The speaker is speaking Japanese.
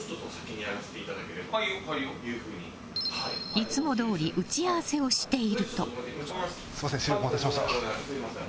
いつもどおり打ち合わせをしていると。